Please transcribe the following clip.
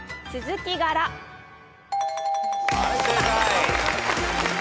はい正解。